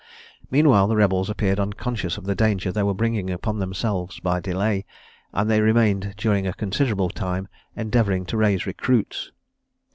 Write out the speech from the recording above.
Meanwhile the rebels appeared unconscious of the danger they were bringing upon themselves by delay, and they remained during a considerable time endeavouring to raise recruits.